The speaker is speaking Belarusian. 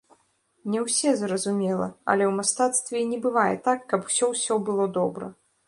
Не ўсе, зразумела, але ў мастацтве і не бывае так, каб усё-ўсё было добра.